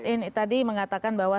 ini ya saya mas tadi mengatakan bahwa